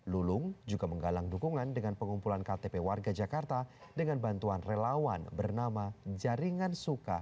lulung juga menggalang dukungan dengan pengumpulan ktp warga jakarta dengan bantuan relawan bernama jaringan suka